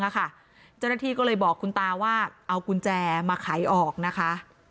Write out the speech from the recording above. เจ้าหน้าที่ก็เลยบอกคุณตาว่าเอากุญแจมาไขออกนะคะ